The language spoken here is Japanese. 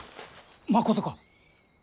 まことか！？